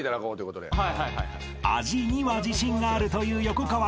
［味には自信があるという横川君］